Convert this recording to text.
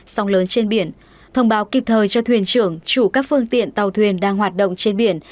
sóng lớn trên biển thông báo kịp thời cho thuyền trưởng chủ các phương tiện tàu thuyền đang hoạt động trên biển